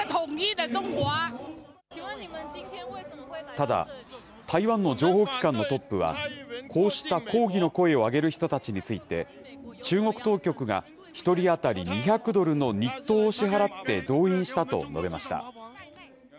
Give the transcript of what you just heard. ただ、台湾の情報機関のトップはこうした抗議の声を上げる人たちについて中国当局が１人当たり２００ドルの日当を支払って動員したと述べました。